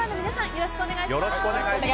よろしくお願いします。